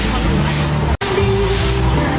สุดท้ายสุดท้ายสุดท้าย